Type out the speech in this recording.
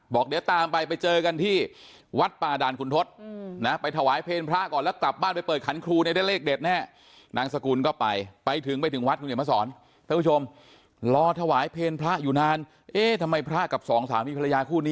บอกเดี๋ยวตามไปเจอกันเป้าะทหาร